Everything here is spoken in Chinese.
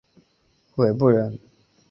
韦陟人。